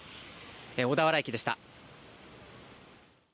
小田原駅でした。